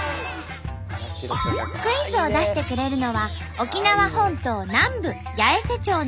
クイズを出してくれるのは沖縄本島南部八重瀬町の子どもたち。